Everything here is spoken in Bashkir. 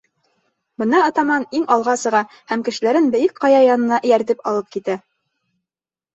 Бына атаман иң алға сыға һәм кешеләрен бейек ҡая янына эйәртеп алып китә.